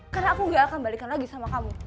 karena aku gak akan balikan lagi sama kamu